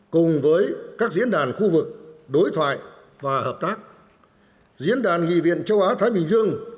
cùng với các diễn đàn khu vực đối thoại và hợp tác diễn đàn nghị viện châu á thái bình dương